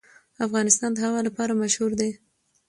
افغانستان د هوا لپاره مشهور دی.